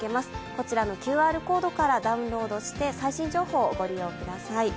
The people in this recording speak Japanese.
こちらのＱＲコードからダウンロードして最新情報をご利用ください。